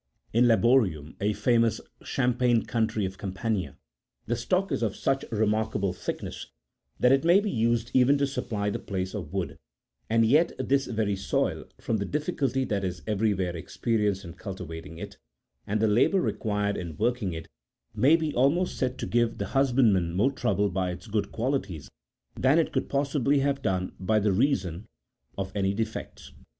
In Laborium, a famous cham paign country of Campania, the stalk is of such remarkable thickness, that it may be used even to supply the place of wood :38 and yet this very soil, from the difficulty that is every where experienced in cultivating it, and the labour required in working it, may be almost said to give the husbandman more trouble by its good qualities than it could possibly have done by reason of any defects.